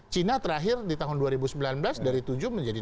cina terakhir di tahun dua ribu sembilan belas dari tujuh menjadi dua